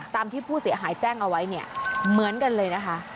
ตามที่ผู้เสียหายแจ้งเอาไว้เนี่ยเหมือนกันเลยนะคะ